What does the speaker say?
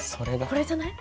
これじゃない？